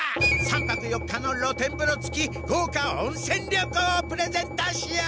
３泊４日の露天風呂つき豪華温泉旅行をプレゼントしよう！